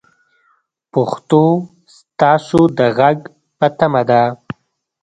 پښتو ستاسو د غږ په تمه ده.